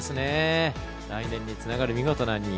来年につながる見事な２位。